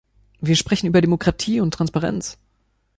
Wir sprechen über Demokratie und Transparenz.